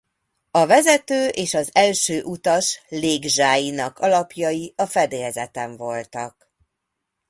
A vezető és az első utas légzsáinak alapjai a fedélzeten voltak.